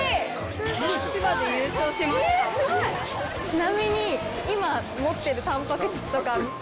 ちなみに今持ってるタンパク質とか。